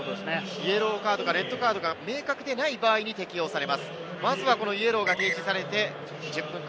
イエローカードかレッドカードか、明確でない場合に適用されます。